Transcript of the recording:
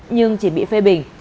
nhưng chỉ bị phê bình